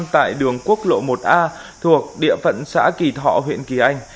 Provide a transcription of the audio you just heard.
tại đường quốc lộ một a thuộc địa phận xã kỳ thọ huyện kỳ anh